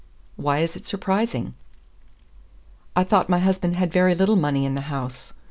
"Why is it surprising?" "I thought my husband had very little money in the house.